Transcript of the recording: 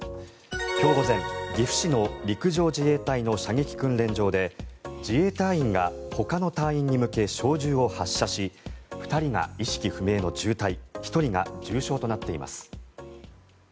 今日午前、岐阜市の陸上自衛隊の射撃訓練場で自衛隊員がほかの隊員に向け小銃を発射し２人が意識不明の重体１人が重傷となっています。